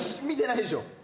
見てないでしょ？